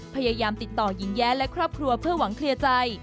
พยายามติดต่อหญิงแย้และครอบครัวเพื่อหวังเคลียร์ใจ